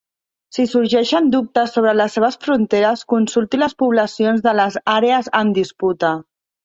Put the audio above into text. Si sorgeixen dubtes sobre les seves fronteres, consulti les poblacions de les àrees en disputa.